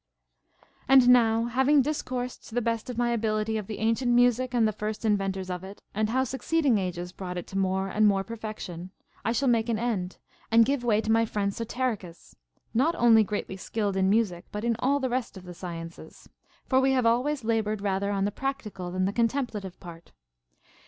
13. And now, having discoursed to the best of my abihty of the ancient music and the first inventors of it, and how succeeding ages brought it to more and more perfection, I shall make an end, and give way to my friend Soterichus, CONCERNING MUSIC. 113 not only greatly skilled in music but in all the rest of the sciences. For we have always labored rather on the prac tical than the contemplative part.